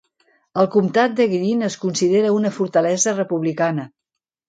El comtat de Greene es considera una fortalesa republicana.